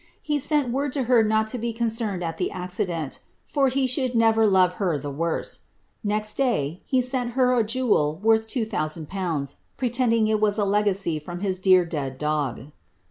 He sent word to her not to be concerned at the accident, for he should never love her the worse. Next day he sent her a jewel worth 20002., pretending it was a legacy from his dear dead dog."